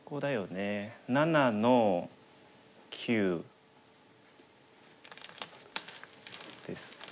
７の九。ですか？